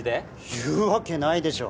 言うわけないでしょ。